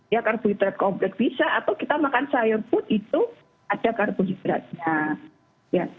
ya karbohidrat komplek bisa atau kita makan sayur pun itu ada karbohidratnya